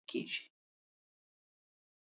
دا د ملي منافعو سره معامله ګڼل کېږي.